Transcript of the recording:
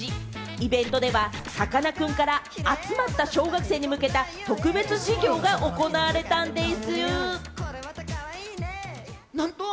イベントでは、さかなクンから、集まった小学生に向けた特別授業が行われたんでぃす。